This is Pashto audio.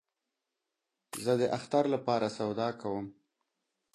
زه د اختر له پاره سودا کوم